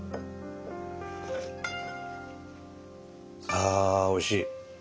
ああおいしい。